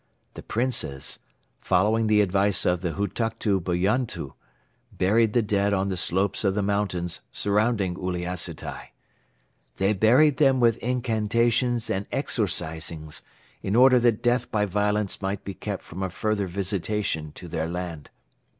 The Princes, following the advice of the Hutuktu Buyantu, buried the dead on the slopes of the mountains surrounding Uliassutai. They buried them with incantations and exorcisings in order that Death by Violence might be kept from a further visitation to their land.